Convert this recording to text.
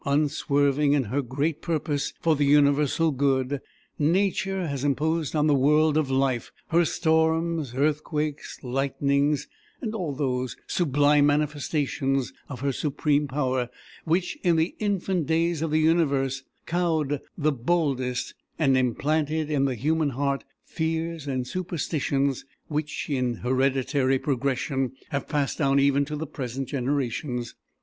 Unswerving in her great purpose for the universal good, Nature has imposed on the world of life her storms, earthquakes, lightnings, and all those sublime manifestations of her supreme power which, in the infant days of the universe, cowed the boldest and implanted in the human heart fears and superstitions which in hereditary progression have passed down even to the present generations.